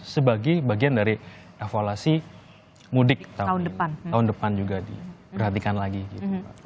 sebagai bagian dari evaluasi mudik tahun depan juga diperhatikan lagi gitu pak